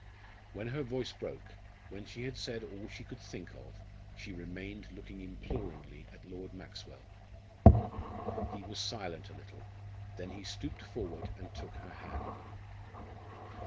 When her voice broke when she had said all she could think of she remained looking imploringly at Lord Maxwell. He was silent a little; then he stooped forward and took her hand.